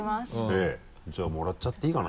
えぇじゃあもらっちゃっていいかな？